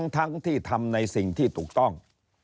ทั้งที่ทำในสิ่งที่ถูกต้อง